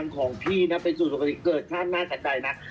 ของพี่นะเป็นสูตรสุขภิกษ์เกิดชาติน่าจักรใดนะ